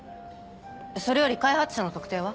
それより開発者の特定は？